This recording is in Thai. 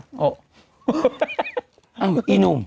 อ้าวเอ้ยหนุ่ม